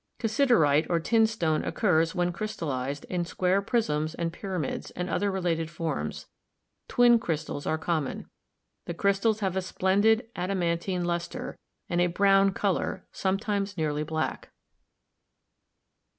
Cassiterite, or tin stone, occurs, when crystallized, in square prisms and pyramids and other related forms; twin crystals are common. The crystals have a splendent adamantine luster and a brown color, sometimes nearly black.